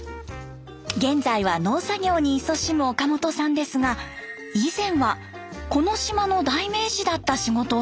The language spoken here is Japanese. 現在は農作業にいそしむ岡本さんですが以前はこの島の代名詞だった仕事をしていました。